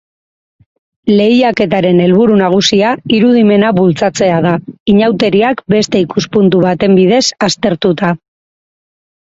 Lehiaketaren helburu nagusia irudimena bultzatzea da, inauteriak beste ikuspuntu baten bidez aztertuta.